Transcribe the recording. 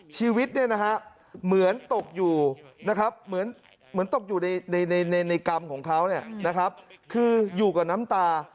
ชีวิตเหมือนตกอยู่ในกรรมของเขาคืออยู่กับน้ำตา